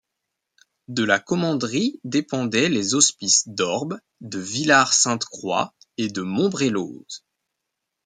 De la commanderie dépendaient les hospices d'Orbe, de Villars-Sainte-Croix et de Montbrelloz.